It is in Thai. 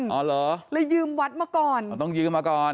อ๋อเหรอเลยยืมวัดมาก่อนอ๋อต้องยืมมาก่อน